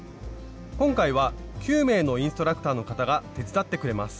今回は９名のインストラクターの方が手伝ってくれます。